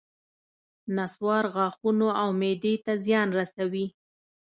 نصوار غاښونو او معدې ته زیان رسوي